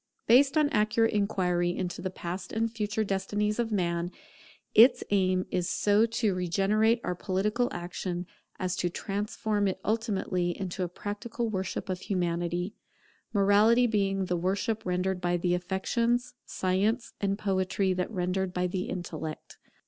Based on accurate inquiry into the past and future destinies of man, its aim is so to regenerate our political action, as to transform it ultimately into a practical worship of Humanity; Morality being the worship rendered by the affections, Science and Poetry that rendered by the intellect.